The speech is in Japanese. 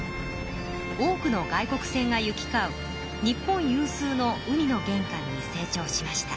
多くの外国船が行きかう日本有数の海のげんかんに成長しました。